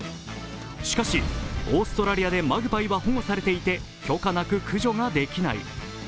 しかし、オーストラリアでマグパイは保護されていて許可なく駆除ができない。